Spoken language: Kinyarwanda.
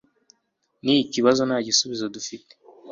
Ni ikibazo nta gisubizo dufite